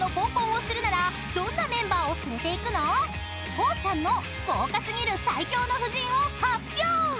［こうちゃんの豪華過ぎる最強の布陣を発表！］